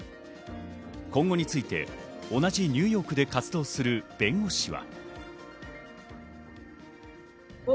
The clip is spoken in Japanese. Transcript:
今後について同じニューヨークで活動する弁護士は。